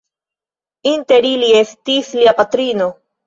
Inter ili estis Lia patrino.